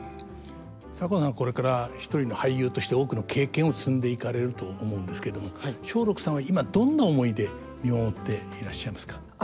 左近さんはこれから一人の俳優として多くの経験を積んでいかれると思うんですけれども松緑さんは今どんな思いで見守っていらっしゃいますか？